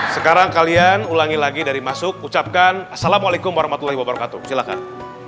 sekarang kalian ulangi lagi dari masuk ucapkan assalamualaikum warahmatullahi wabarakatuh silahkan